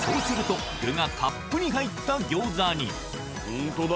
ホントだ。